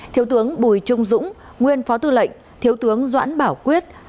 thiếu tướng bùi trung dũng nguyên phó tư lệnh thiếu tướng doãn bảo quyết